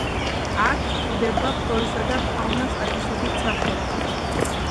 აქ გვხვდება ფლორისა და ფაუნას ათასობით სახეობა.